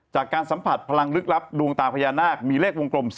จากการสัมผัสพลังลึกลับดวงตาพญานาคมีเลขวงกลม๔